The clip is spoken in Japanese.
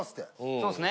そうっすね。